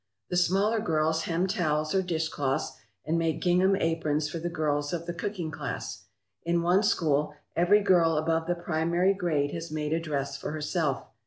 The smaller girls hem towels or dishcloths and make gingham aprons for the girls of the cooking class. In one school every girl above the primary grade has made a dress for herself.